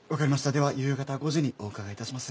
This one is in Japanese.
では夕方５時にお伺い致します。